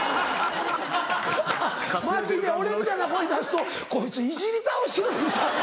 街で俺みたいな声出すと「こいついじり倒して来るんちゃうか？」。